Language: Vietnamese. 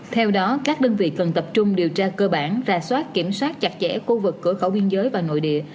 theo đó các đơn vị cần tập trung điều tra cơ bản ra soát kiểm soát chặt chẽ khu vực cửa khẩu biên giới và nội địa